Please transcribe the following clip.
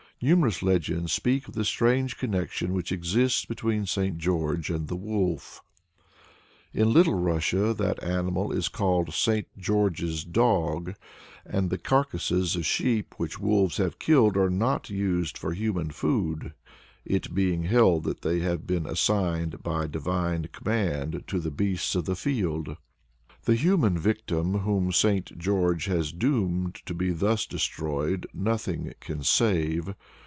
Numerous legends speak of the strange connection which exists between St. George and the Wolf. In Little Russia that animal is called "St. George's Dog," and the carcases of sheep which wolves have killed are not used for human food, it being held that they have been assigned by divine command to the beasts of the field. The human victim whom St. George has doomed to be thus destroyed nothing can save.